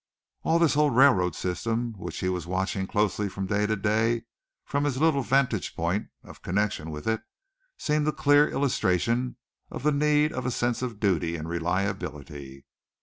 All this whole railroad system which he was watching closely from day to day from his little vantage point of connection with it, seemed a clear illustration of the need of a sense of duty and reliability.